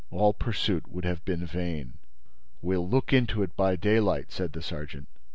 All pursuit would have been vain. "We'll look into it by daylight," said the sergeant.